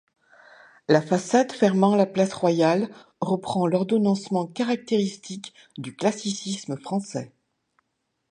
La façade fermant la place Royale reprend l'ordonnancement caractéristique du classicisme français.